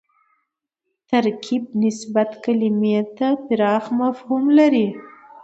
ترکیب نسبت کلیمې ته پراخ مفهوم لري